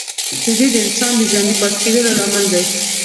شیدې د انسان د ژوندي پاتې کېدو لامل دي